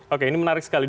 oke ini menarik sekali